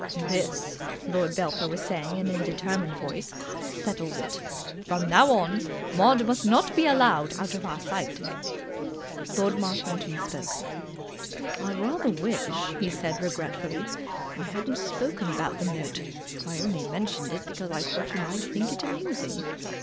"This," Lord Belpher was saying in a determined voice, "settles it. From now on Maud must not be allowed out of our sight." Lord Marshmoreton spoke. "I rather wish," he said regretfully, "I hadn't spoken about the note. I only mentioned it because I thought you might think it amusing."